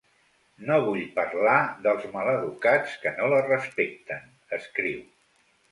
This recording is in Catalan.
No vull parlar dels maleducats que no la respecten, escriu.